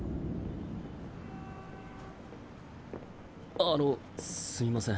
あのすみません。